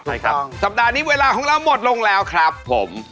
ใช่ครับสัปดาห์นี้เวลาของเราหมดลงแล้วครับผม